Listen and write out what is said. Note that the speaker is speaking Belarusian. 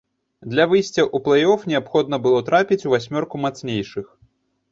Для выйсця ў плэй-оф неабходна было трапіць у васьмёрку мацнейшых.